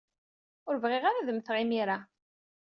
Ur bɣiɣ ara ad mmteɣ imir-a.